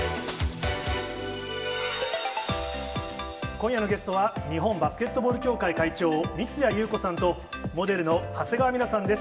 今夜のゲストは、日本バスケットボール協会会長、三屋裕子さんと、モデルの長谷川ミラさんです。